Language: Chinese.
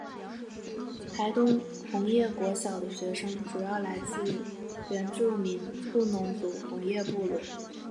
台东红叶国小的学生主要来自原住民布农族红叶部落。